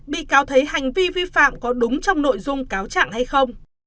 bị cáo thấy hành vi vi phạm có đúng trong nội dung cáo trạng hay không